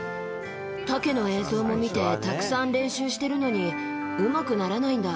タケの映像も見て、たくさん練習してるのに、うまくならないんだ。